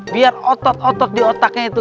biar otot otot di otaknya itu